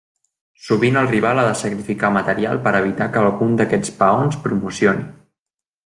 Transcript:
Sovint el rival ha de sacrificar material per evitar que algun d'aquests peons promocioni.